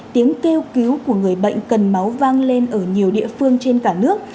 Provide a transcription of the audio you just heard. tiếng kêu cứu của người bệnh cần máu vang lên ở nhiều địa phương trên cả nước